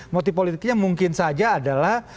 motif politiknya mungkin saja adalah